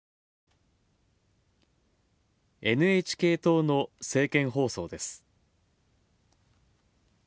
ＮＨＫ党の政見放送です。